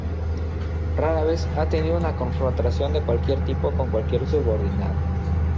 Rara vez ha tenido una confrontación de cualquier tipo con cualquier subordinado.